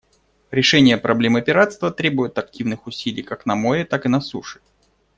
Решение проблемы пиратства требует активных усилий как на море, так и на суше.